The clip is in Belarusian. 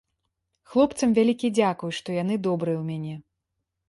Хлопцам вялікі дзякуй, што яны добрыя ў мяне.